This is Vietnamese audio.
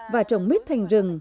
và trồng mít thành rừng